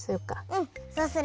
うんそうする。